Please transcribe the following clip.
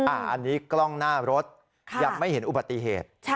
อันนี้กล้องหน้ารถยังไม่เห็นอุบัติเหตุ